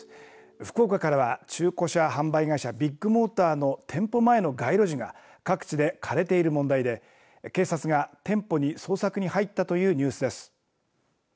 福岡からは中古車販売会社ビッグモーターの店舗前の街路樹が各地で枯れている問題で、警察が店舗に捜索に入ったというニュースです。